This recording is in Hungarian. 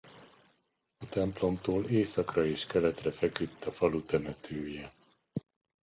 A templomtól északra és keletre feküdt a falu temetője.